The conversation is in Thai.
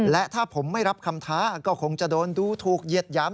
และถ้าผมไม่รับคำท้าก็คงจะโดนดูถูกเหยียดหยาม